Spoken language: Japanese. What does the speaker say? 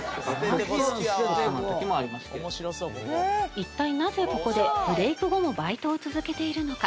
一体なぜここでブレイク後もバイトを続けているのか？